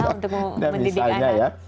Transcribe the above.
untuk mendidik anak nah misalnya ya